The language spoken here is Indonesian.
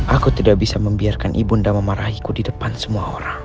aku tidak bisa membiarkan ibu nda memarahiku di depan semua orang